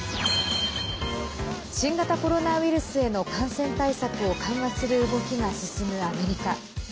新型コロナウイルスへの感染対策を緩和する動きが進むアメリカ。